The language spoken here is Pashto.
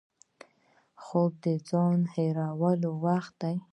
خوب د ځان هېرولو وخت دی